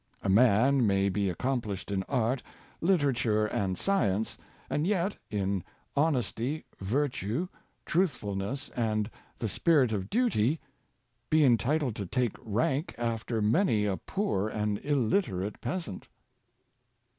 A man may be ac complished in art, literature, and science, and yet, in honesty, virtue, truthfulness, and the spirit of duty, be entitled to take rank after many a poor and illiterate peasant.